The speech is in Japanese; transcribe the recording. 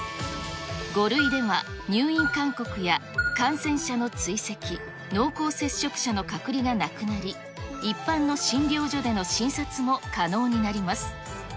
５類では、入院勧告や感染者の追跡、濃厚接触者の隔離がなくなり、一般の診療所での診察も可能になります。